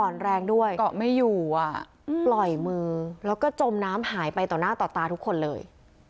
แรงด้วยเกาะไม่อยู่อ่ะปล่อยมือแล้วก็จมน้ำหายไปต่อหน้าต่อตาทุกคนเลย